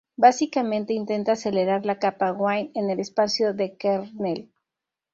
Básicamente intenta acelerar la capa Wine en el espacio del kernel.